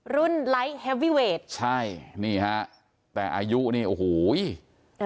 ไลค์แฮวีเวทใช่นี่ฮะแต่อายุนี่โอ้โห